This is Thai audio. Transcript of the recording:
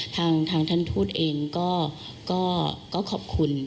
ทางท่านทูตเองก็ขอบคุณ